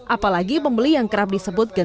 apalagi pembeli yang kerap disengajikan